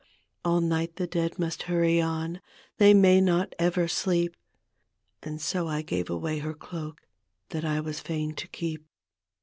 All night the dead must hurry on, They may not ever sleep. And so I gave away her cloak That I was fain to keep.